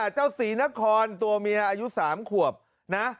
ศรีนครตัวเมียอายุ๓ขวบนะ